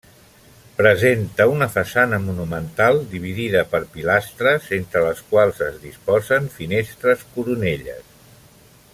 Presenta una façana monumental dividida per pilastres entre les quals es disposen finestres coronelles.